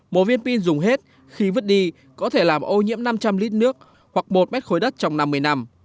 một viên pin dùng hết khi vứt đi có thể làm ô nhiễm năm trăm linh lít nước hoặc một mét khối đất trong năm mươi năm